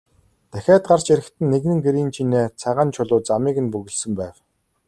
Дахиад гарч ирэхэд нь нэгэн гэрийн чинээ цагаан чулуу замыг нь бөглөсөн байв.